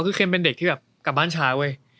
คือเคมเป็นเด็กที่แบบกลับบ้านช้าเว้ย